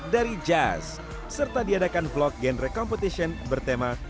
dari jazz serta diadakan vlog genre competition bertema